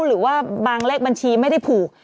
หรือว่าบางเลขบัญชีไม่ได้ผูก